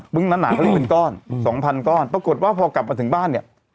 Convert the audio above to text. ึ้งนั้นหนาเขาเรียกเป็นก้อนสองพันก้อนปรากฏว่าพอกลับมาถึงบ้านเนี่ย